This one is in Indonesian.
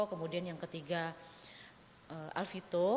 kemudian yang ketiga alfito